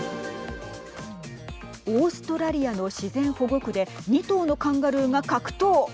オーストラリアの自然保護区で２頭のカンガルーが格闘。